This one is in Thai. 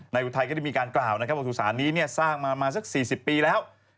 นายอุทัยก็ได้มีการกล่าวสุสานี้สร้างมาสัก๔๐ปีแล้ว